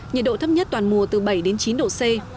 nhiệt độ thấp nhất toàn mùa từ bảy đến chín độ c